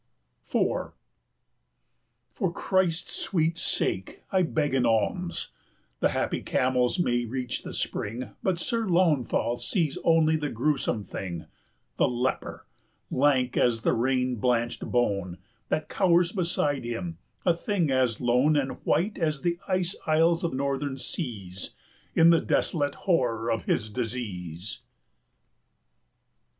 IV. "For Christ's sweet sake, I beg an alms;" The happy camels may reach the spring, But Sir Launfal sees only the grewsome thing, 275 The leper, lank as the rain blanched bone, That cowers beside him, a thing as lone And white as the ice isles of Northern seas In the desolate horror of his disease.